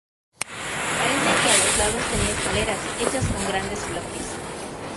Parece que a los lados tenían escaleras, hechas con grandes bloques.